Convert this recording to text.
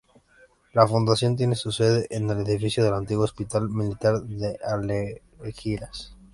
La Fundación tiene su sede en el edificio del antiguo Hospital Militar de Algeciras.